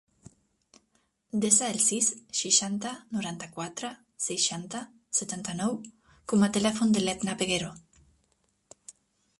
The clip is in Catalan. Desa el sis, seixanta, noranta-quatre, seixanta, setanta-nou com a telèfon de l'Edna Peguero.